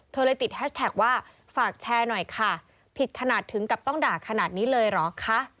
เลยติดแฮชแท็กว่าฝากแชร์หน่อยค่ะผิดขนาดถึงกับต้องด่าขนาดนี้เลยเหรอคะ